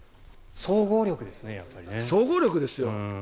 総合力ですよ。